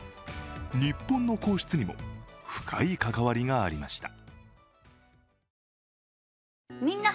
日本の皇室にも深い関わりがありました。